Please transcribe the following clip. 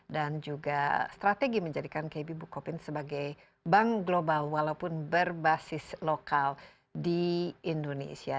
dan juga strategi menjadikan kb bukopin sebagai bank global walaupun berbasis lokal di indonesia